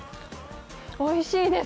おいしいです。